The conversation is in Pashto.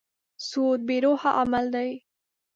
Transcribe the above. سود بې روحه عمل دی.